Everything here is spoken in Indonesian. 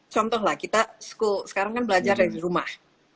contohlah kita school sekarang belajar dari rumah